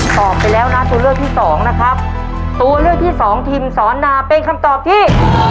ตอบไปแล้วนะตัวเลือกที่สองนะครับตัวเลือกที่สองทิมสอนนาเป็นคำตอบที่